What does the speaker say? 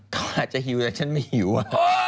เขาอาจจะหิวแต่ฉันไม่หิว